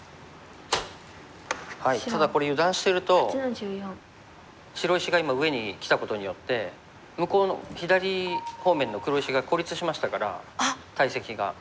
ただこれ油断してると白石が今上にきたことによって向こうの左方面の黒石が孤立しましたから大石が。